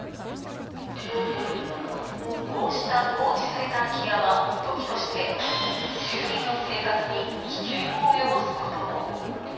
こうした放置された空き家は時として住民の生活に危険を及ぼすことも。